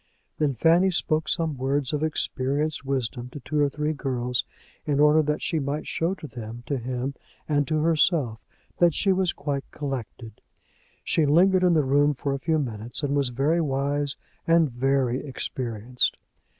Then Fanny spoke some words of experienced wisdom to two or three girls, in order that she might show to them, to him, and to herself that she was quite collected. She lingered in the room for a few minutes, and was very wise and very experienced.